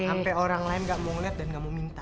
sampai orang lain gak mau ngeliat dan gak mau minta